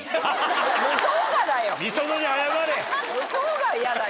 向こうが嫌だよ。